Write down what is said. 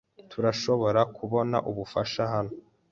Turashobora kubona ubufasha hano?